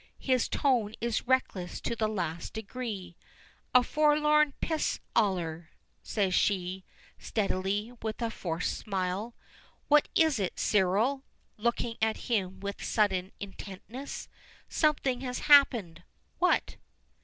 His tone is reckless to the last degree. "A forlorn pis aller," she says, steadily, with a forced smile. "What is it, Cyril?" looking at him with sudden intentness. "Something has happened. What?"